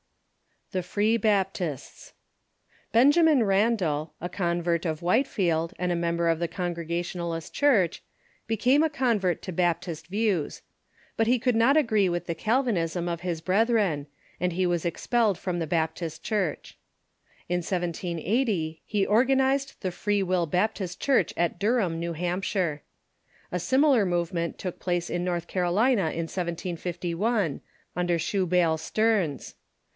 Benjamin Randall, a convert of Whitefiekl, and a member of the Congregationalist Church, became a convert to Baptist views. But he could not agree with the Calvinism of BaoUsts ^^'^ brethren, and he was expelled from the Baptist Church. In 1780 he organized the Free Avill Baptist Church at Durham, New Hampshire. A similar movement took place in North Carolina in 1751, under Shubael Stearns.